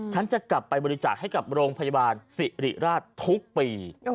ฉันจะกลับไปบริจาคให้กับโรงพยาบาลสิริราชทุกปี